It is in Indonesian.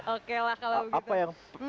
oke lah kalau begitu